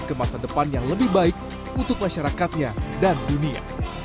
ke masa depan yang lebih baik untuk masyarakatnya dan dunia